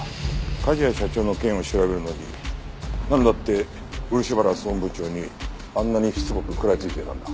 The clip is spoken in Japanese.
梶谷社長の件を調べるのになんだって漆原総務部長にあんなにしつこく食らいついていたんだ？